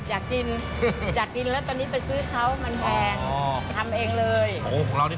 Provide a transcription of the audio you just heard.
อยากกินแล้วตอนนี้ไปซื้อเค้ามันแพง